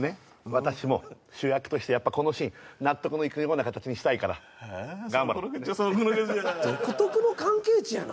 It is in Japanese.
私も主役としてやっぱこのシーン納得のいくような形にしたいから頑張ろうそうこなくちゃそうこなくちゃ独特の関係値やな